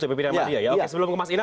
oke sebelum ke mas ina